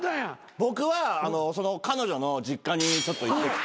僕は彼女の実家にちょっと行ってきて。